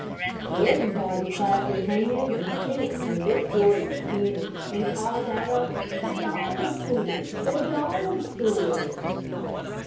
Everybody clapped his hands, and stamped when this story was finished, and called out: "The dog story the dog story!"